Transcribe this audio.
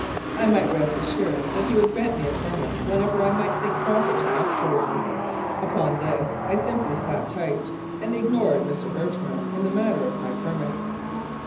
I might rest assured that he would grant me a ptermit whenever I might think proper to ask for one. Upon this I simply "sat tight," and ignored Mr. Herchmer in the matter of my permits.